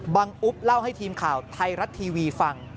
อุ๊บเล่าให้ทีมข่าวไทยรัฐทีวีฟัง